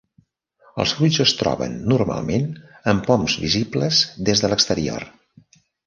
Els fruits es troben normalment en poms visibles des de l'exterior.